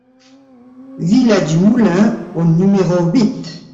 Villa du Moulin au numéro huit